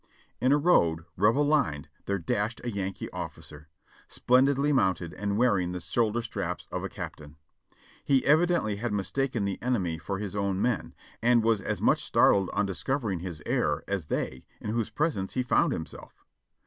In a road, Rebel lined, there dashed a Yankee officer, splendidly mounted and wearing the shoulder straps of a captain. He evidently had mistaken the enemy for his own men, and was as much startled on discovering his error as they in whose presence he found himself.